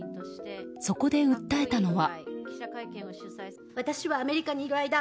そこで訴えたのは。